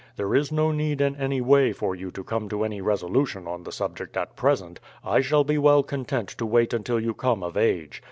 "There is no need in any way for you to come to any resolution on the subject at present; I shall be well content to wait until you come of age.